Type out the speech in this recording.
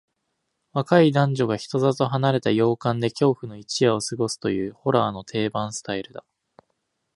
若い男女が人里離れた洋館で恐怖の一夜を過ごすという、ホラーの定番スタイルだ。